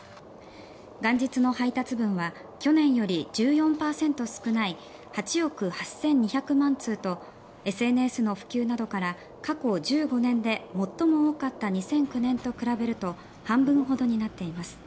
元日の配達分は去年より１４％少ない８億８２００万通とＳＮＳの普及などから過去１５年で最も多かった２００９年と比べると半分ほどになっています。